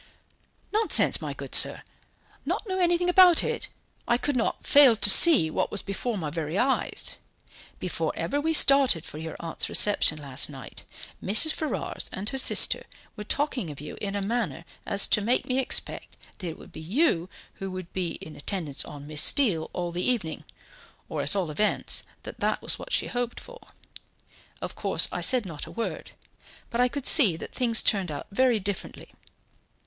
"Nonsense, my good sir; not know anything about it! I could not fail to see what was before my very eyes. Before ever we started for your aunt's reception last night, Mrs. Ferrars and her sister were talking of you in a manner as to make me expect that it would be you who would be in attendance on Miss Steele all the evening or at all events, that that was what she hoped for. Of course, I said not a word, but I could see that things turned out very differently.